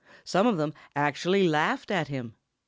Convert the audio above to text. Some of them actually laughed at him.